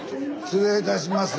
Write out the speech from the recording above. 失礼いたします。